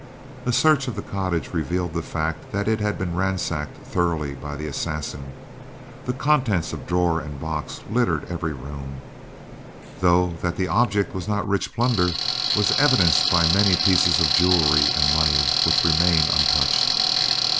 A search of the cottage revealed the fact that it had been ransacked thoroughly by the assassin. The contents of drawer and box littered every room, though that the object was not rich plunder was evidenced by many pieces of jewelry and money which remained untouched.